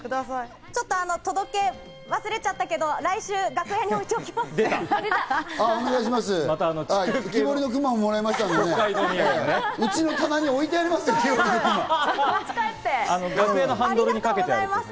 ちょっと、届け忘れちゃったけど、来週、楽屋に置いておきます。